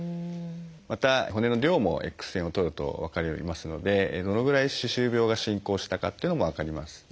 また骨の量もＸ線を撮ると分かりますのでどのぐらい歯周病が進行したかっていうのも分かります。